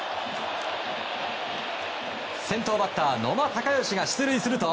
先頭バッター、野間峻祥が出塁すると。